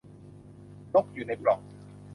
นกอยู่ในปล่อง